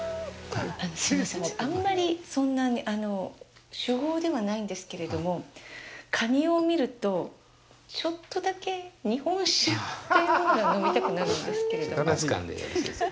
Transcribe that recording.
すいません、私あんまりそんなに酒豪ではないんですけれども、カニを見ると、ちょっとだけ日本酒というものが飲みたくなるんですけれども。